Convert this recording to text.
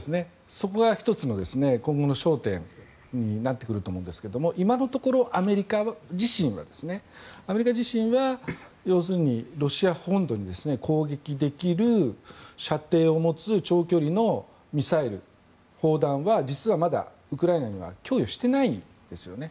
そこが１つの今後の焦点になってくると思うんですが今のところアメリカ自身は要するに、ロシア本土に攻撃できる射程を持つ長距離のミサイル、砲弾は実はまだウクライナには供与していないんですよね。